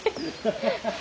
ハハハハハ。